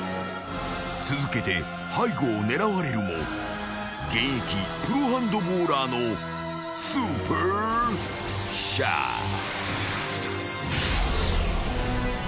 ［続けて背後を狙われるも現役プロハンドボーラーのスーパーショット］